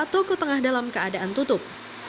dua toko tengah dalam keadaan tutup